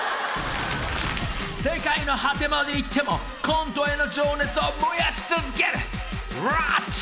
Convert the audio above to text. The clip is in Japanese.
［世界の果てまで行ってもコントへの情熱は燃やし続ける］